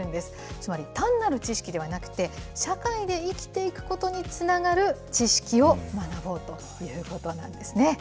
つまり、単なる知識ではなくて、社会で生きていくことにつながる知識を学ぼうということなんですね。